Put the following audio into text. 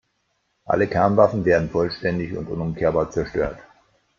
Alle Kernwaffen werden vollständig und unumkehrbar zerstört.